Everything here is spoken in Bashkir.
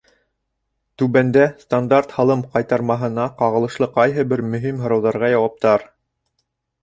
Түбәндә — стандарт һалым ҡайтармаһына ҡағылышлы ҡайһы бер мөһим һорауҙарға яуаптар.